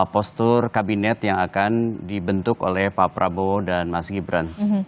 postur kabinet yang akan dibentuk oleh pak prabowo dan mas gibran